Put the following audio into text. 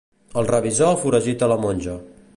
El revisor foragita la monja.